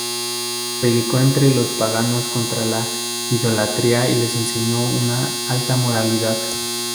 Predicó entre los paganos contra la idolatría y les enseñó una alta moralidad.